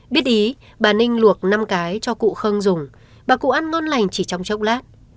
biết ý bà ninh luộc năm cái cho cụ không dùng bà cụ ăn ngon lành chỉ trong chốc lát